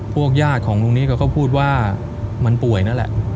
พวกญาติของลุงนี้เขาก็พูดว่ามันป่วยนั่นแหละ